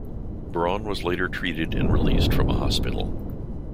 Braun was later treated and released from a hospital.